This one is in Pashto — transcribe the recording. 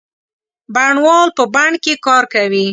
بڼوال په بڼ کې کار کوي.